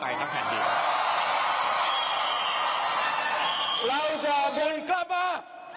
ไล่จากนี้กลับมา